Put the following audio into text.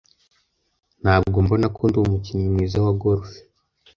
Ntabwo mbona ko ndi umukinnyi mwiza wa golf.